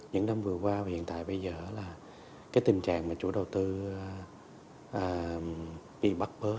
những năm vừa qua và hiện tại bây giờ là cái tình trạng mà chủ đầu tư bị bắt bớ